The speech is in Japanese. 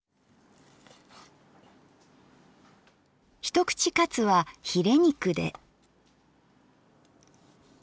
一口かつはヒレ肉で。